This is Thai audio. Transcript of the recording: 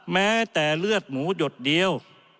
แม้แต่เลือดหมูหยดเดียว